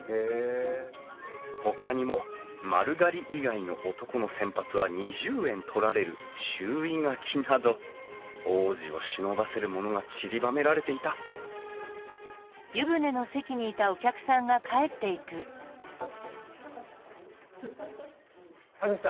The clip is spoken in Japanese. ほかにも丸刈り以外の男の洗髪は２０円取られる注意書きなど往事をしのばせるものがちりばめられていたハルさん。